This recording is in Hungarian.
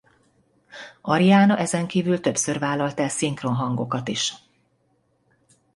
Ariana ezen kívül többször vállalt el szinkronhangokat is.